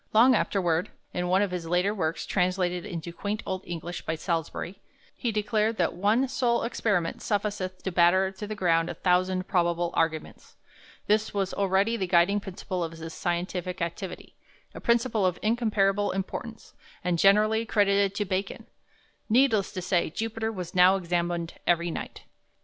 Long afterward, in one of his later works, translated into quaint old English by Salusbury, he declared that "one sole experiment sufficeth to batter to the ground a thousand probable Arguments." This was already the guiding principle of his scientific activity, a principle of incomparable importance, and generally credited to Bacon. Needless to say, Jupiter was now examined every night.